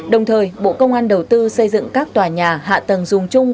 đồng thời bộ công an đầu tư xây dựng các tòa nhà hạ tầng dùng chung